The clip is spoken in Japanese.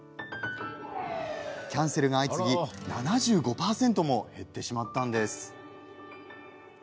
キャンセルが相次ぎ７５％も減ってしまったんです。